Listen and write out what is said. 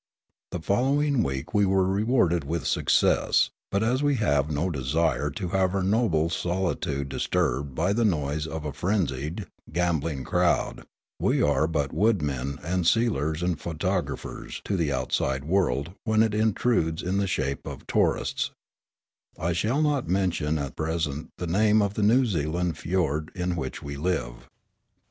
The following week we were rewarded with success ; but, as we have no desire to have our noble solitude disturbed by the noise of a frenzied, gambling crowd, — we are but woodmen and sealers and photographers to the outside world when it intrudes in the shape of tourists, — I shall not men tion at present the name of the New Zealand fiord in which we live.